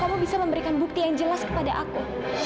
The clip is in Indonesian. kamu bisa memberikan bukti yang jelas kepada aku